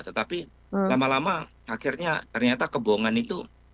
tetapi lama lama akhirnya ternyata kebohongan itu